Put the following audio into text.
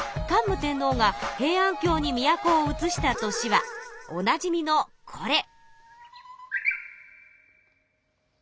桓武天皇が平安京に都を移した年はおなじみのこれ。